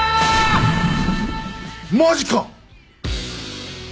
マジか！！